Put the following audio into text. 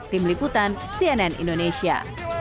tim liputan cnn indonesia